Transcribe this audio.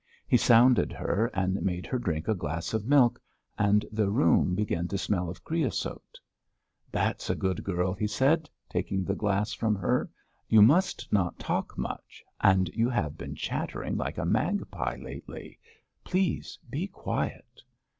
He sounded her and made her drink a glass of milk, and the room began to smell of creosote. "That's a good girl," he said, taking the glass from her. "You must not talk much, and you have been chattering like a magpie lately. Please, be quiet."